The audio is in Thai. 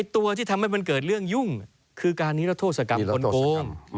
ตัวที่ทำให้มันเกิดเรื่องยุ่งคือการนิรโทษกรรมคนโกง